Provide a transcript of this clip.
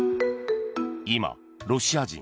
今、ロシア人